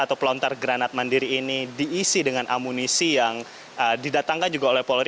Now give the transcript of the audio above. atau pelontar granat mandiri ini diisi dengan amunisi yang didatangkan juga oleh polri